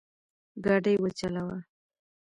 ګاډی وچلوه